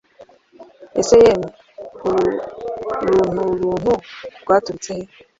ese yemwe uru runturuntu rwaturutse hehe